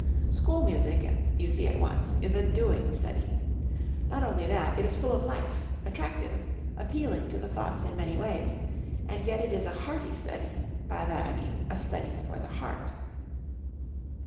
School music, you see at once, is a doing study. Not only that, it is full of life, attractive, appealing to the thoughts in many ways, and yet it is a hearty study by that I mean a study for the heart.